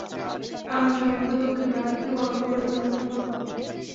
আমরা সমগ্র দক্ষিণ ভারতকে গণকবরে পরিণত করব।